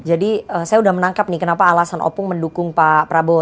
jadi saya sudah menangkap nih kenapa alasan opung mendukung pak prabowo